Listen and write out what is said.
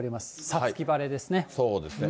五月晴れですね。